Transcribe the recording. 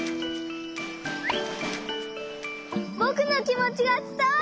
ぼくのきもちがつたわった！